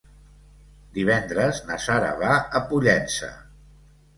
Divendres na Sara va a Pollença.